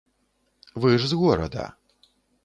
Вы ж з горада.